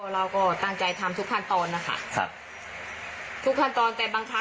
เราก็ตั้งใจทำทุกขั้นทอนนะคะ